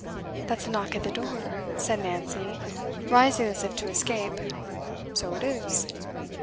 'That's a knock at the door,' said Nancy, rising as if to escape. 'So it is.